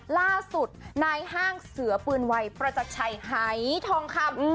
ล่าสุดนายห้างเสือปืนวัยประจักรชัยหายทองคำ